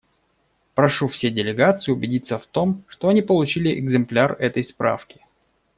Прошу все делегации убедиться в том, что они получили экземпляр этой справки.